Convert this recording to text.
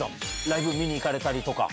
ライブ見に行かれたりとか？